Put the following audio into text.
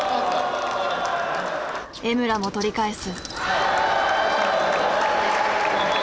江村も取り返す。